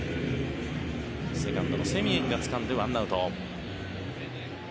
セカンドのセミエンがつかんで１アウト。